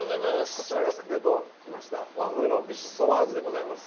こちらが先ほど言いました和風のビシソワーズでございます。